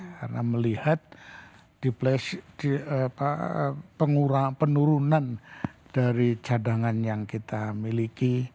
karena melihat penurunan dari cadangan yang kita miliki